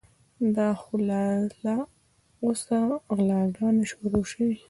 دا خو لا له اوسه غلاګانې شروع شوې.